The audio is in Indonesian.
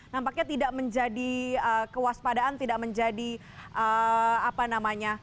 nampaknya tidak menjadi kewaspadaan tidak menjadi apa namanya